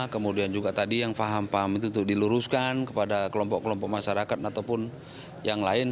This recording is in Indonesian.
kemudian juga tadi yang paham paham itu diluruskan kepada kelompok kelompok masyarakat ataupun yang lain